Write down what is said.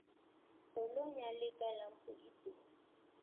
Tolong nyalakan lampu itu.